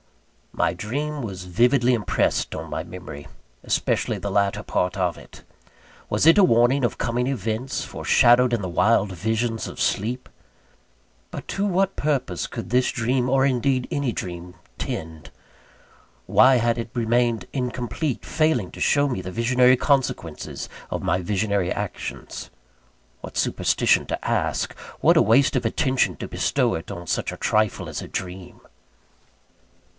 My dream was vividly impressed on my memory, especially the latter part of it. Was it a warning of coming events, foreshadowed in the wild visions of sleep? But to what purpose could this dream, or indeed any dream, tend? Why had it remained incomplete, failing to show me the visionary consequences of my visionary actions? What superstition to ask! What a waste of attention to bestow it on such a trifle as a dream!